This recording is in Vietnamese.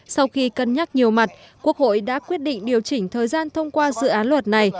sau khi cân nhắc nhiều mặt quốc hội đã quyết định điều chỉnh thời gian thông qua dự án luật này